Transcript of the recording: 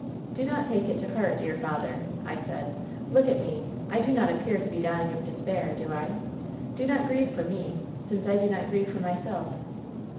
" *Do not take it to heart, dear father,^ I said. 'Look at me ! I do not appear to be dying of despair, do 1 1 Do not grieve for me, since I do not grieve for myself.